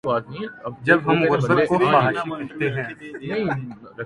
جب ہم غربت کو فحاشی کہتے ہیں۔